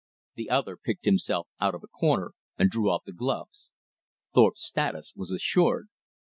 The other picked himself out of a corner, and drew off the gloves. Thorpe's status was assured.